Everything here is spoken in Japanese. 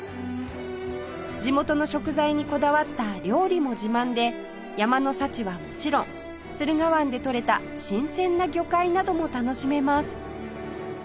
地元の食材にこだわった料理も自慢で山の幸はもちろん駿河湾でとれた新鮮な魚介なども楽しめます